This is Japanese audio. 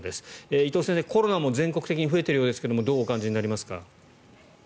伊藤先生、コロナも全国的に増えているようですがどうお感じになりますか？